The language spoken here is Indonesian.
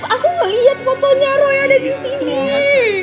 aku ngeliat fotonya roy ada disini